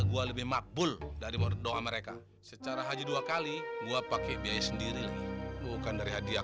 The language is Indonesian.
gue lebih makbul dari doa mereka secara haji dua kali gue pakai biaya sendiri bukan dari hadiah